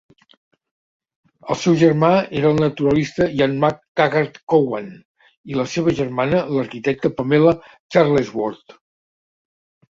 El seu germà era el naturalista Ian McTaggart-Cowan i la seva germana l'arquitecta Pamela Charlesworth.